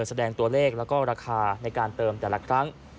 แสดงตัวเลขแล้วก็ราคาในการเติมแต่ละครั้ง